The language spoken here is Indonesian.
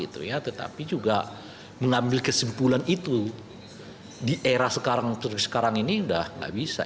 tetapi juga mengambil kesimpulan itu di era sekarang terus sekarang ini sudah tidak bisa